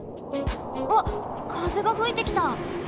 わっかぜがふいてきた！